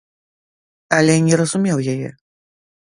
Але не разумеў яе.